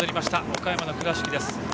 岡山の倉敷です。